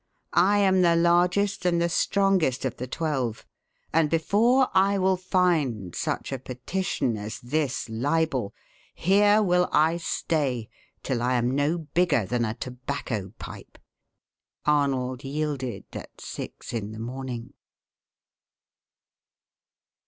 I am the largest and the strongest of the twelve; and before I will find such a petition as this libel, here will I stay till I am no bigger than a tobacco pipe." Arnold yielded at six in the morning.